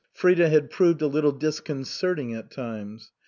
Frida had proved a little disconcerting at times.